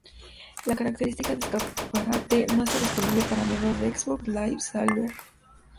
La característica de escaparate no está disponible para miembros de Xbox Live Silver.